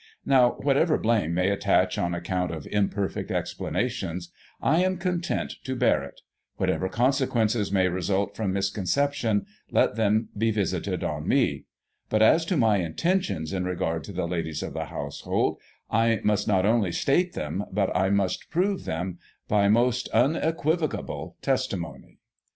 Now, whatever blame may attach on account of imperfect explanations^ I am content to bear it; whatever consequences may result from misconception, let them be visited on me ; but, as to my intentions in regard to the Ladies of the household, I must not only state them, but I must prove them by most imequivocable testimony.